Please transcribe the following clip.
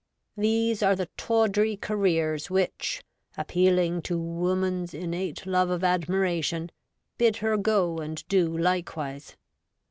These are the tawdry careers which, appealing to woman's innate love of admiration, bid her go and do likewise.